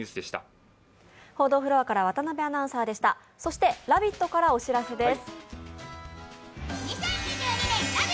そして「ラヴィット！」からお知らせです。